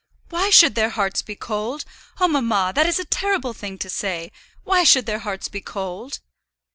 "Why should their hearts be cold? Oh, mamma, that is a terrible thing to say. Why should their hearts be cold?"